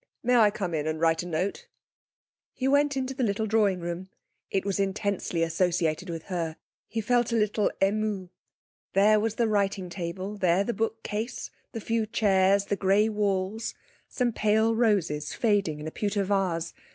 'May I come in and write a note?' He went into the little drawing room. It was intensely associated with her. He felt a little ému.... There was the writing table, there the bookcase, the few chairs, the grey walls; some pale roses fading in a pewter vase....